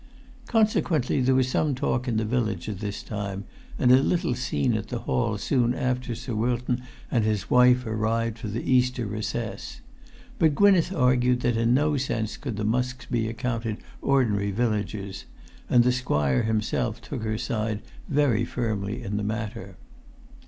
Consequently there was some talk in the village at this time, and a little scene at the hall soon after Sir Wilton and his wife arrived for the Easter recess. But Gwynneth argued that in no sense could the Musks be accounted ordinary villagers; and the squire himself took her side very firmly in the matter.